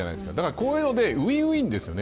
こういうのってウィンウィンですよね。